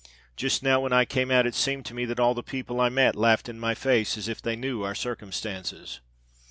Just now, when I came out, it seemed to me that all the people I met laughed in my face, as if they knew our circumstances."